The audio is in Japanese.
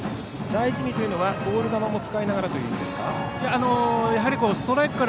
大事にというのはボール球も使いながらという意味でしょうか。